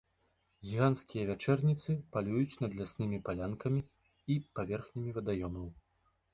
Гіганцкія вячэрніцы палююць над ляснымі палянкамі і паверхнямі вадаёмаў.